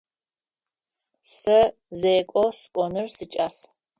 Сэ зекӏо сыкӏоныр сикӏас.